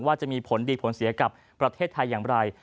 จะมีผลดีผลเสียกับประเทศไทยอย่างไร